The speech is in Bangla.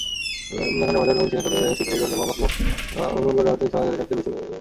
হনুমানগড় ভারতের মাথাপিছু আয়ের ক্ষেত্রে সবচেয়ে বেশি উপার্জনকারী জেলাগুলির মধ্যে একটি।